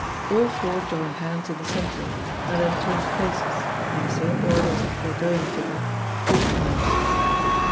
All four join hands in the centre, and then change places, in the same order as the foregoing figure, four times.